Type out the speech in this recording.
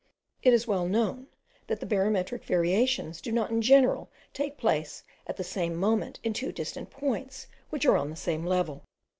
It is well known, that the barometric variations do not in general take place at the same moment in two distant points, which are on the same level.